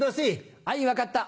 あい分かった。